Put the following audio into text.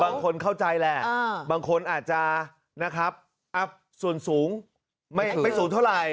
บางคนเข้าใจแหละบางคนอาจจะนะครับส่วนสูงไม่สูงเท่าไหร่